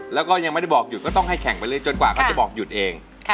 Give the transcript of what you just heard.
แล้วก็ยังไม่ได้บอกหยุดก็ต้องให้แข่งไปเรื่อยจนกว่าเขาจะบอกหยุดเอง